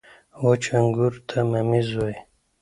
• وچ انګور ته مميز وايي.